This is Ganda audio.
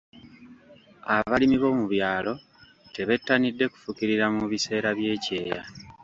Abalimi b'omu byalo tebettanidde kufukirira mu biseera by'ekyeya.